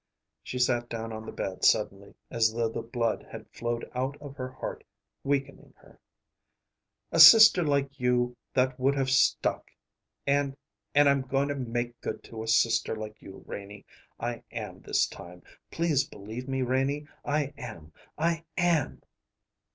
She sat down on the bed suddenly, as though the blood had flowed out of her heart, weakening her. "A sister like you that would have stuck; and and I'm going to make good to a sister like you, Renie. I am, this time. Please believe me, Renie. I am! I am!"